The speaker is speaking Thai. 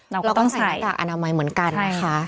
เราก็ใส่หน้ากากอนามัยเหมือนกันนะคะ